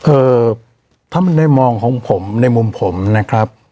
เอ่อถ้ามันได้มองของผมในมุมผมนะครับ